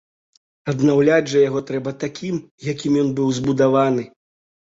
Аднаўляць жа яго трэба такім, якім ён быў збудаваны.